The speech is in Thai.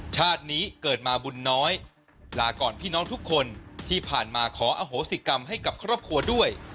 ชาตินี้เกิดมาบุญน้อยลาก่อนพี่น้องทุกคนที่ผ่านมาขออโหสิกรรมให้กับครอบครัวด้วย